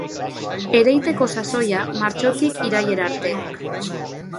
Ereiteko sasoia martxotik irailera arte.